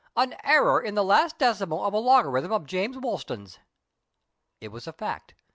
" An error in the last decimal of a logarithm of James Wolston's." It was a fact.